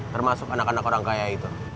termasuk anak anak orang kaya itu